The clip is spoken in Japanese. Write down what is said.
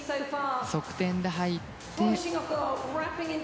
側転で入って。